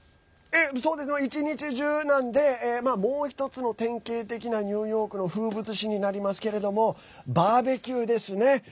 一日中なんでもう１つの典型的なニューヨークの風物詩になりますけれどもバーベキューですね。